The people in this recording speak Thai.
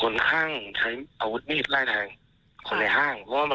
เราไม่แน่ใจว่า